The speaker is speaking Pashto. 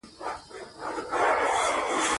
د خوني فرش او غالۍ غټ قيمت لري.